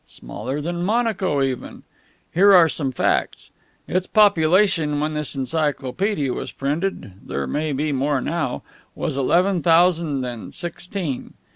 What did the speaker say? Smaller than Monaco, even. Here are some facts. Its population when this encyclopaedia was printed there may be more now was eleven thousand and sixteen.